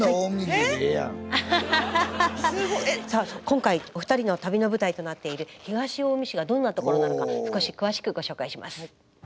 今回お二人の旅の舞台となっている東近江市がどんなところなのか少し詳しくご紹介します。